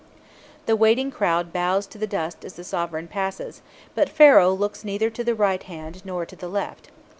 The waiting crowd bows to the dust as the sovereign passes; but Pharaoh looks neither to the right hand nor to the left.